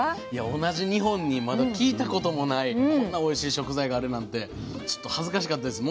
同じ日本にまだ聞いたこともないこんなおいしい食材があるなんてちょっと恥ずかしかったです。